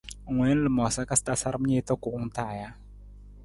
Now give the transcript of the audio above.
Ng wiin lamoosa ka tasaram niita kuwung taa ja?